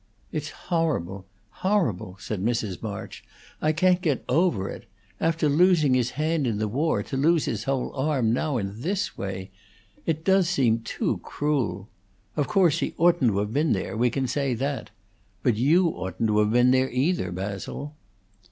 "It's horrible! Horrible!" said Mrs. March. "I can't get over it! After losing his hand in the war, to lose his whole arm now in this way! It does seem too cruel! Of course he oughtn't to have been there; we can say that. But you oughtn't to have been there, either, Basil."